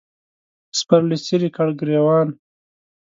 سپرلي څیرې کړ ګرېوان